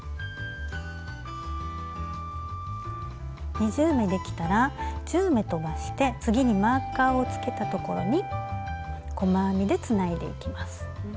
２０目できたら１０目とばして次にマーカーをつけたところに細編みでつないでいきます。